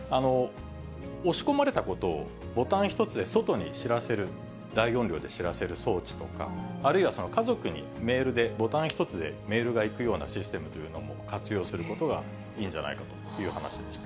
押し込まれたことをボタン１つで外に知らせる、大音量で知らせる装置とか、あるいは家族にメールでボタン１つでメールがいくようなシステムというのも活用することがいいんじゃないかという話でした。